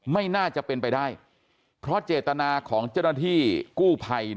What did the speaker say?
ไม่น่าจะเป็นไปได้เพราะเจตนาของเจ้าหน้าที่กู้ภัย